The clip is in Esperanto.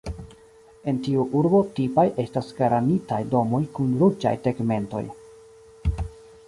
En tiu urbo tipaj estas granitaj domoj kun ruĝaj tegmentoj.